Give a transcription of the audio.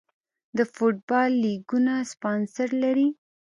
د فوټبال لیګونه سپانسر لري